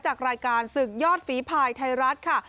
จากรายการศึกยอดฝีภายไทยรัฐค่ะ